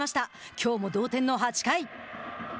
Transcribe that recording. きょうも同点の８回。